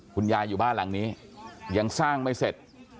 คุณยายอยู่บ้านหลังนี้ยังสร้างไม่เสร็จ